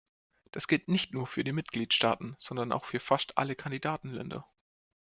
Das gilt nicht nur für die Mitgliedstaaten, sondern auch für fast alle Kandidatenländer.